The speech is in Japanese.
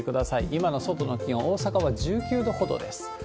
今の外の気温、大阪は１９度ほどです。